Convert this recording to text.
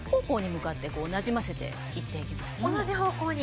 同じ方向に？